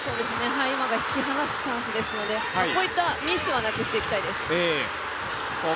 今が引き離すチャンスですのでこういったミスはなくしていきたいです。